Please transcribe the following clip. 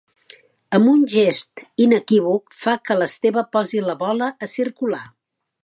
Amb un gest inequívoc fa que l'Esteve posi la bola a circular.